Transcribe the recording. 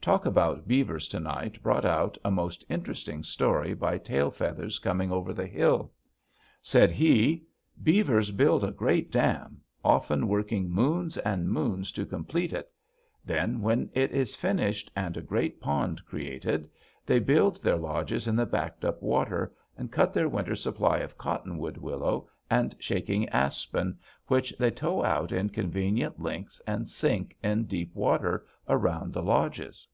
Talk about beavers to night brought out a most interesting story by Tail Feathers Coming over the Hill. Said he: "Beavers build a great dam, often working moons and moons to complete it. Then, when it is finished, and a great pond created, they build their lodges in the backed up water, and cut their winter supply of cottonwood, willow, and quaking aspen, which they tow out in convenient lengths and sink in deep water around the lodges.